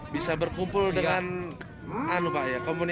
bisa berkumpul dengan komunitas kuda di sini